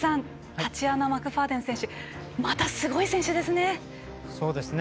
タチアナ・マクファーデン選手またすごい選手ですね。